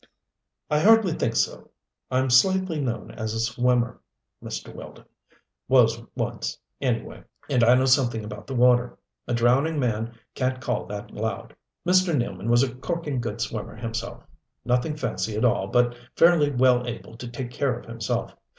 "I hardly think so. I'm slightly known as a swimmer, Mr. Weldon was once, anyway, and I know something about the water. A drowning man can't call that loud. Mr. Nealman was a corking good swimmer himself nothing fancy at all, but fairly well able to take care of himself.